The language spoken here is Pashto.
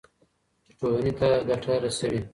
چې ټولنې ته ګټه رسوي.